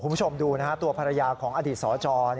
คุณผู้ชมดูนะฮะตัวภรรยาของอดีตสจ